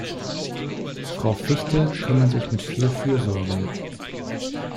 Frau Fichte kümmert sich mit viel Fürsorge.